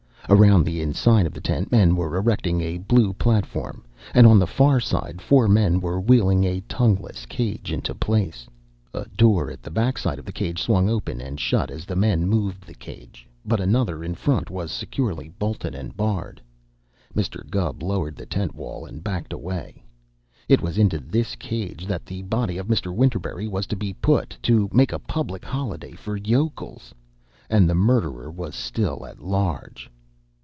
Around the inside of the tent men were erecting a blue platform, and on the far side four men were wheeling a tongueless cage into place. A door at the back of the cage swung open and shut as the men moved the cage, but another in front was securely bolted and barred. Mr. Gubb lowered the tent wall and backed away. It was into this cage that the body of Mr. Winterberry was to be put to make a public holiday for yokels! And the murderer was still at large!